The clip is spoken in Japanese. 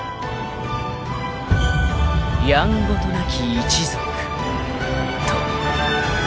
［「やんごとなき一族」と］